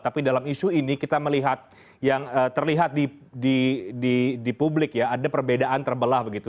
tapi dalam isu ini kita melihat yang terlihat di publik ya ada perbedaan terbelah begitu